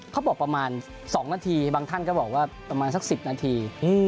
เขาบอกประมาณ๒นาทีบางท่านก็บอกว่าประมาณสัก๑๐นาที